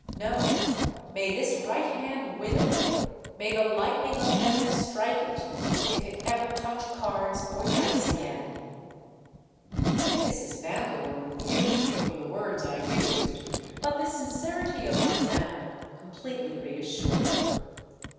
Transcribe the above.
No: may this right hand wither—may the lightning of heaven strike it—if it ever touch cards or dice again!'—Mrs. Vandeleur rebuked me for the words I used; but the sincerity of my manner completely reassured her.